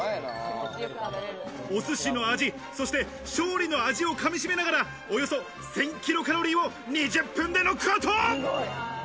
お寿司の味、そして勝利の味をかみしめながら、およそ１０００キロカロリーを２０分でノックアウト！